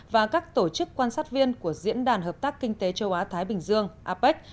và các tổ chức quan sát viên của diễn đàn hợp tác kinh tế châu á thái bình dương apec